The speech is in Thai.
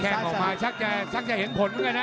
แข้งของมายชักจะเห็นผลกันนะ